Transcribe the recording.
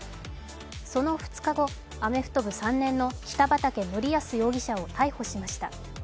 その２日後、アメフト部３年の北畠成文容疑者を逮捕しました。